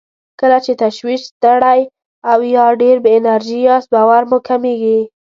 کله چې تشویش، ستړی او يا ډېر بې انرژي ياست باور مو کمېږي.